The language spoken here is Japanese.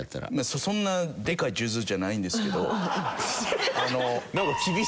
そんなでかい数珠じゃないんですけど。